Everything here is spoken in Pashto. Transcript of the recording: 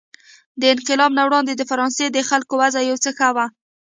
د انقلاب نه وړاندې د فرانسې د خلکو وضع یو څه ښه وه.